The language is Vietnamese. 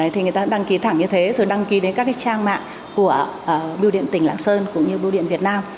thì người ta đăng ký thẳng như thế rồi đăng ký đến các trang mạng của bưu điện tỉnh lạng sơn cũng như bưu điện việt nam